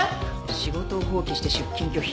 仕事を放棄して出勤拒否。